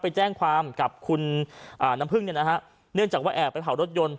ไปแจ้งความกับคุณน้ำพึ่งเนี่ยนะฮะเนื่องจากว่าแอบไปเผารถยนต์